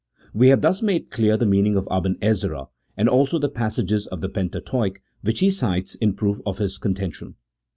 We have thus made clear the meaning of Aben Ezra and also the passages of the Penta teuch which he cites in proof of his contention.